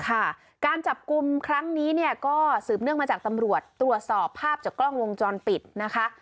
การจับกลุ่มครั้งนี้เนี่ยก็สืบเนื่องมาจากตำรวจตรวจสอบภาพจากกล้องวงจรปิดนะคะ